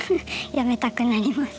やめたくなります。